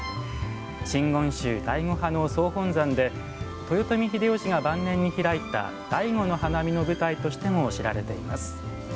真言宗醍醐派の総本山で豊臣秀吉が晩年に開いた醍醐の花見の舞台としても知られています。